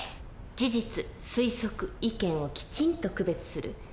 事実推測意見をきちんと区別する。